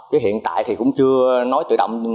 chứ hiện tại thì cũng chưa nói tự động